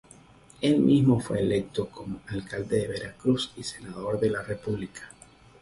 Él mismo fue electo como alcalde de Veracruz y senador de la República.